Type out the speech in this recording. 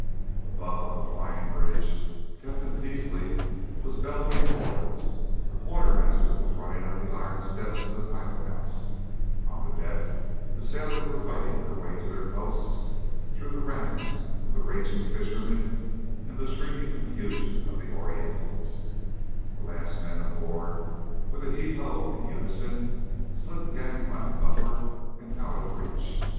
Above, on the flying bridge, Captain Peasley was bellowing orders; a quartermaster was running up the iron steps to the pilot house; on deck the sailors were fighting their way to their posts through the ranks of the raging fishermen and the shrieking confusion of the Orientals; the last men aboard, with a "Heave Ho!" in unison, slid the gang plank upward and out of reach.